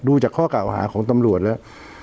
จากข้อกล่าวหาของตำรวจแล้ว